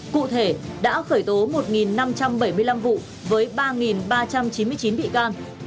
cụ thể đã khởi tố một năm trăm bảy mươi năm vụ với ba ba trăm chín mươi chín bị can